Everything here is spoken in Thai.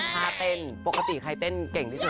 ถ้าเต้นปกติใครเต้นเก่งที่สุด